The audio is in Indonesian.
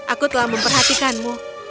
aku telah memperhatikanmu